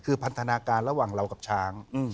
คือพันธนาการระหว่างเรากับช้าง